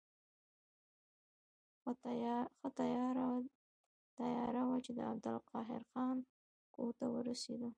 ښه تیاره وه چې د عبدالقاهر جان کور ته ورسېدو.